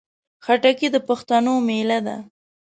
خټکی د پښتنو مېله ده.